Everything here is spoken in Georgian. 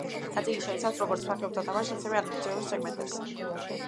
ნაწილი შეიცავს როგორც მსახიობთა თამაშს, ასევე ანიმაციურ სეგმენტებს.